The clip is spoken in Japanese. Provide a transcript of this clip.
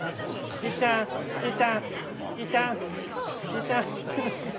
いっちゃん！いっちゃん！